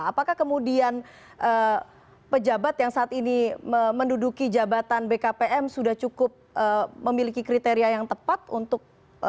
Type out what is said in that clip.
apakah kemudian pejabat yang saat ini menduduki jabatan bkpm sudah cukup memiliki kriteria yang tepat untuk